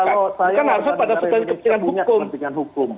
bukan langsung pada sesuatu yang punya kepentingan hukum